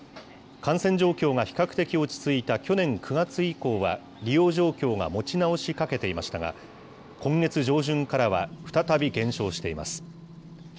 感染状況が比較的落ち着いた去年９月以降は利用状況が持ち直しかけていましたが、今月上旬からは、再び減少しています。